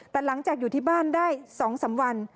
แต่หลังจากอยู่ที่บ้านได้๒๓วัน